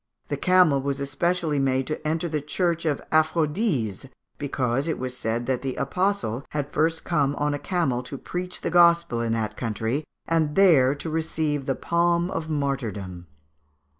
The camel was especially made to enter the Church of St. Aphrodise, because it was said that the apostle had first come on a camel to preach the Gospel in that country, and there to receive the palm of martyrdom.